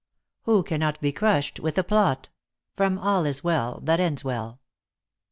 Who cannot be crushed with a plot ? ALL is WELL THAT ENDS WELL.